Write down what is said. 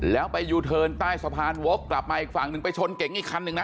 แล้วไปยูเทิร์นใต้สะพานวกกลับมาอีกฝั่งหนึ่งไปชนเก๋งอีกคันหนึ่งนะ